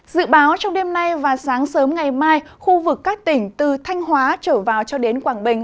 dự báo trong đêm nay và sáng sớm ngày mai khu vực các tỉnh từ thanh hóa trở vào cho đến quảng bình